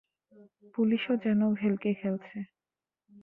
পুলিসে ও যেন ভেলকি খেলছে।